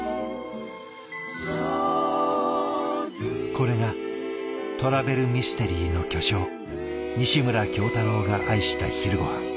これがトラベルミステリーの巨匠西村京太郎が愛した昼ごはん。